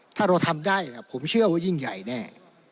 ถ้าเราทำได้ผมเชื่อว่ายิ่งใหญ่แน่